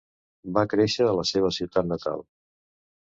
Va créixer a la seva ciutat natal.